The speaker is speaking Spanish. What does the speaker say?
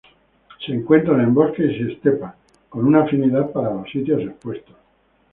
Se encuentran en bosques y estepas, con una afinidad para los sitios expuestos.